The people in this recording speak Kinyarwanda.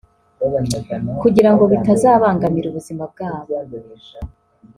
kugira ngo bitazabangamira ubuzima bwabo